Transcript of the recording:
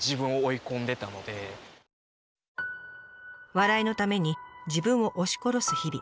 笑いのために自分を押し殺す日々。